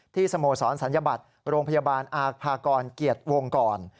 สโมสรศัลยบัตรโรงพยาบาลอาภากรเกียรติวงกร